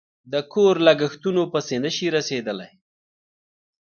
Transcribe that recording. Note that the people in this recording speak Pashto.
د کور لگښتونو پسې نشي رسېدلی